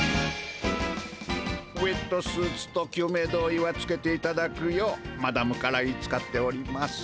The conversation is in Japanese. ウエットスーツと救命胴衣はつけていただくようマダムから言いつかっております。